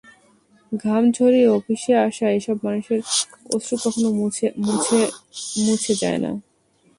ঘাম ঝরিয়ে অফিসে আসা এসব মানুষের অশ্রু কখনো মুছে যায় না।